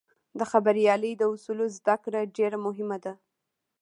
د خبریالۍ د اصولو زدهکړه ډېره مهمه ده.